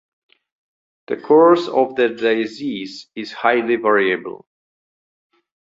The course of the disease is highly variable.